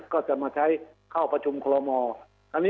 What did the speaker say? ก็จะมาใช้เข้าประชุมจมูกคลมคลแมว